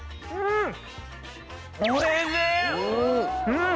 うん！